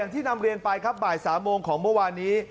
ที่นำเรียนไปครับบ่าย๓โมงของเมื่อวานนี้